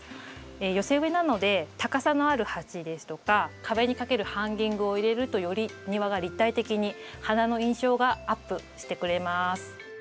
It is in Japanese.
寄せ植えなので高さのある鉢ですとか壁に掛けるハンギングを入れるとより庭が立体的に花の印象がアップしてくれます。